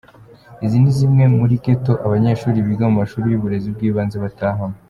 Izi ni zimwe muri "ghetto" abanyeshuri biga mu mashuri y’uburezi bw’ibanze batahamo.